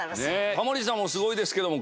タモリさんもすごいですけども。